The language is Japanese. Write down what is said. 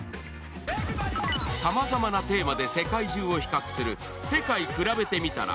さまざまなテーマで世界中を比較する「世界くらべてみたら」